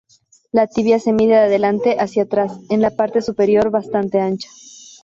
La tibia se mide de adelante hacia atrás en la parte superior bastante ancha.